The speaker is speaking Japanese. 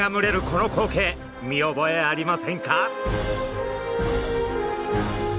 この光景見覚えありませんか？